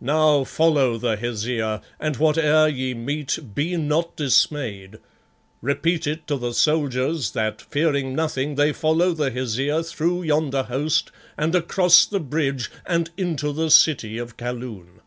Now follow the Hesea, and whate'er ye meet, be not dismayed. Repeat it to the soldiers, that fearing nothing they follow the Hesea through yonder host and across the bridge and into the city of Kaloon."